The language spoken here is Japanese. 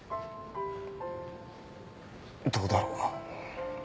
どうだろう？